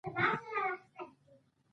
د نرمې ی د مخه توري ته باید زور ورکړو.